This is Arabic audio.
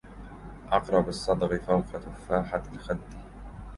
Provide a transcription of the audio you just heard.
عقرب الصدغ فوق تفاحة الخد